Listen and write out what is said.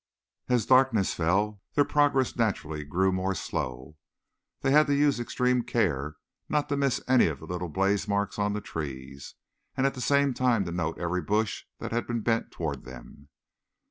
As darkness fell their progress naturally grew more slow. They had to use extreme care not to miss any of the little blaze marks on the trees, and at the same time to note every bush that had been bent toward them.